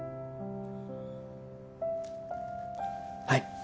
はい。